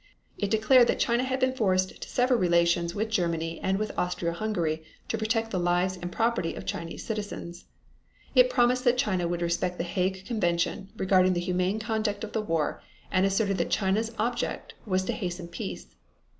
It declared that China had been forced to sever relations with Germany and with Austro Hungary to protect the lives and property of Chinese citizens. It promised that China would respect the Hague Convention, regarding the humane conduct of the war, and asserted that China's object was to hasten peace.